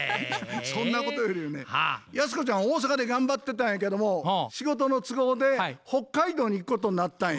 そんなことよりもねヤスコちゃんは大阪で頑張ってたんやけども仕事の都合で北海道に行くことになったんや。